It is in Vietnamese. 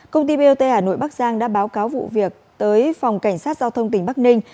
công ty bot hà nội bắc giang đã báo cáo vụ việc tới phòng cảnh sát giao thông tỉnh bắc ninh